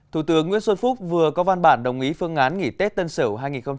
thủ tướng nguyễn xuân phúc vừa có văn bản đồng ý phương án nghỉ tết tân sửu hai nghìn hai mươi một